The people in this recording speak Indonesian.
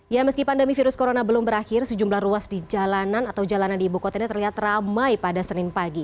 ya meski pandemi virus corona belum berakhir sejumlah ruas di jalanan atau jalanan di ibu kota ini terlihat ramai pada senin pagi